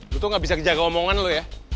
gue tuh gak bisa kejaga omongan lo ya